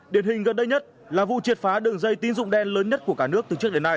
điển hình gần đây nhất là vụ triệt phá đường dây tín dụng đen lớn nhất của cả nước từ trước đến nay